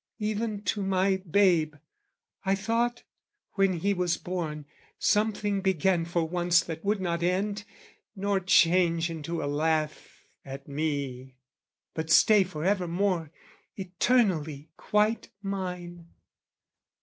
Even to my babe! I thought, when he was born, Something began for once that would not end, Nor change into a laugh at me, but stay For evermore, eternally quite mine.